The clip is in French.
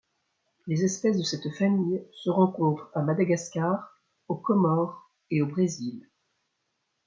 Les espèces de cette famille se rencontrent à Madagascar, aux Comores et au Brésil.